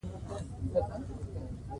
سیلابونه د افغانستان د کلتوري میراث برخه ده.